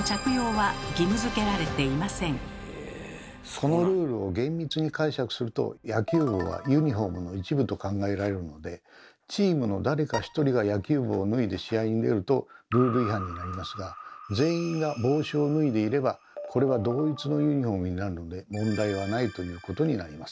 そのルールを厳密に解釈すると野球帽はユニフォームの一部と考えられるのでチームの誰か一人が野球帽を脱いで試合に出るとルール違反になりますが全員が帽子を脱いでいればこれは「同一のユニフォーム」になるので問題はないということになります。